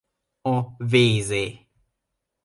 A wz.